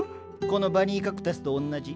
このバニーカクタスとおんなじ。